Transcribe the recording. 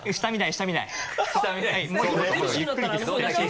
下見ない